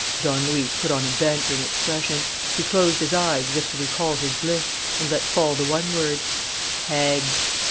Don Luis put on a bantering expression. He closed his eyes, as if to recall his bliss, and let fall the one word: "Hags!"